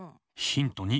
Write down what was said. ヒント２！